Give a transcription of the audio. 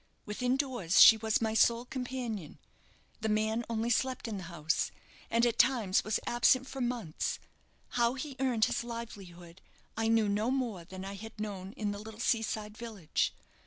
Within doors she was my sole companion. The man only slept in the house, and at times was absent for months. How he earned his livelihood I knew no more than I had known in the little sea side village.